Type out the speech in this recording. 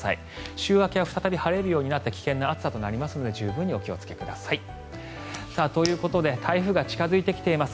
週明けは再び晴れるようになって危険な暑さとなりますので十分にお気をつけください。ということで台風が近付いてきています。